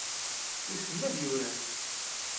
Wissen ma ad yurar?